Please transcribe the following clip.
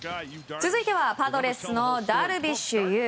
続いてはパドレスのダルビッシュ有。